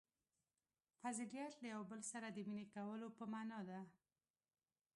• فضیلت له یوه بل سره د مینې کولو په معنیٰ دی.